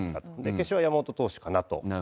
決勝は山本投手かなと。